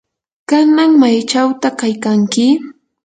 ¿kanan maychawta kaykanki?